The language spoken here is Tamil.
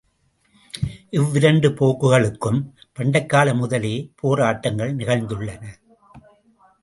இவ்விரண்டு போக்குகளுக்கும் பண்டைக்கால முதலே போராட்டங்கள் நிகழ்ந்துள்ளன.